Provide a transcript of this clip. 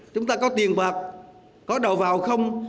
chúng ta có tiền bạc có đồ vào không